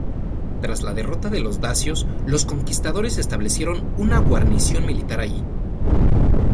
Tras la derrota de los dacios, los conquistadores establecieron una guarnición militar allí.